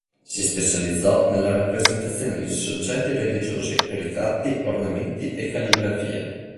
Si specializzò nella rappresentazione di soggetti religiosi, ritratti, ornamenti e calligrafia.